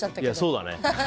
そうだね。